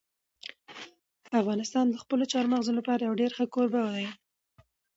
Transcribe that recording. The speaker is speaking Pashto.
افغانستان د خپلو چار مغز لپاره یو ډېر ښه کوربه دی.